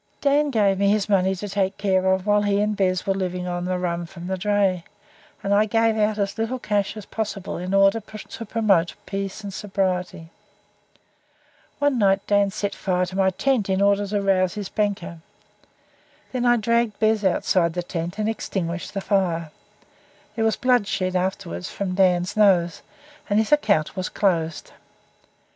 Dan gave me his money to take care of while he and Bez were living on rum from the dray, and I gave out as little cash as possible in order to promote peace and sobriety. One night Dan set fire to my tent in order to rouse his banker. I dragged Bez outside the tent and extinguished the fire. There was bloodshed afterwards from Dan's nose and his account was closed.